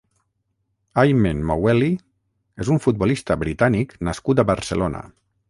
Aymen Mouelhi és un futbolista britànic nascut a Barcelona.